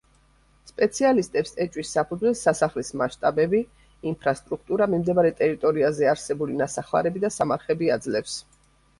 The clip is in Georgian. სპეციალისტებს ეჭვის საფუძველს სასახლის მასშტაბები, ინფრასტრუქტურა, მიმდებარე ტერიტორიაზე არსებული ნასახლარები და სამარხები აძლევს.